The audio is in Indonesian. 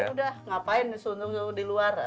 udah ngapain disuruh di luar